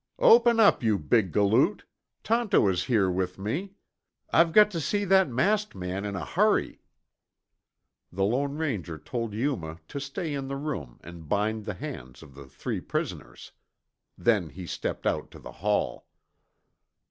"Open up, you big galoot. Tonto is here with me! I've got to see that masked man in a hurry!" The Lone Ranger told Yuma to stay in the room and bind the hands of the three prisoners. Then he stepped out to the hall.